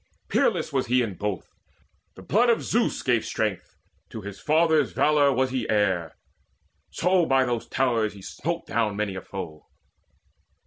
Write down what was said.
Peerless was he in both: the blood of Zeus Gave strength; to his father's valour was he heir; So by those towers he smote down many a foe.